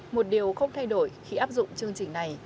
một điều không thay đổi khi áp dụng chương trình này